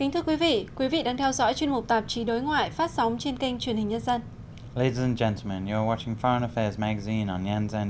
thưa quý vị quý vị đang theo dõi chuyên mục tạp chí đối ngoại phát sóng trên kênh truyền hình nhân dân